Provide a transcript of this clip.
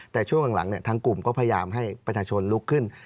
แต่ช่วงหลังทางกลุ่มก็พยายามให้ประชาชนลุกขึ้น